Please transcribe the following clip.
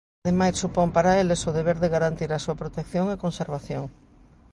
Ademais, supón para eles o deber de garantir a súa protección e conservación.